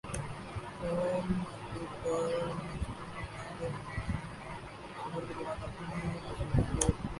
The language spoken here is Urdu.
ان خطوط پر مشتمل ہیں جو انھوں نے سفر کے دوران اپنے عزیزوں کو لکھے